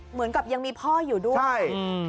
เหมือนกับยังมีพ่ออยู่ด้วย